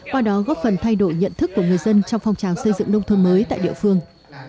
qua đó góp phần thay đổi nhận thức của người dân trong phong trào xây dựng nông thôn mới tại địa phương